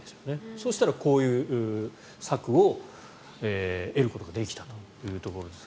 そうしたら、こういう策を得ることができたというところです。